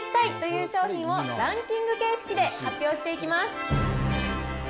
お勧めしたい！という商品をランキング形式で発表していきます。